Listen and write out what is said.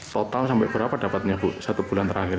total sampai berapa dapatnya bu satu bulan terakhir